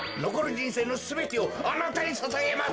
じんせいのすべてをあなたにささげます！